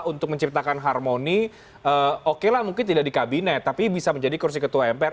untuk menciptakan harmoni oke lah mungkin tidak di kabinet tapi bisa menjadi kursi ketua mpr